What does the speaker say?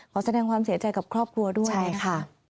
ขอแสดงความเสียใจกับครอบครัวด้วยค่ะ